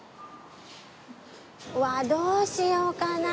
うわどうしようかな？